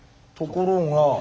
ところが。